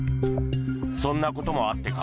そんなこともあってか